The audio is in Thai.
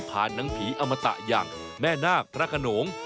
หนังผีอมตะอย่างแม่นาคพระขนง